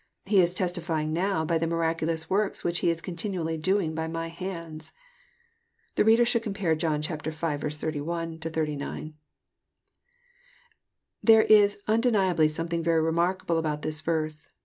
He is testifying now by the miraculous works which He is continually doing by My hands." The reader should compare John v. 31 — 39. There is undeniably something very remarkable about this verse.